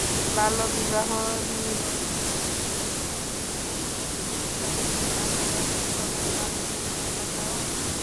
বাল্যবিবাহ নিবন্ধকের জন্য একই শাস্তির পাশাপাশি সনদ বাতিলের বিধান রাখা হয়েছে।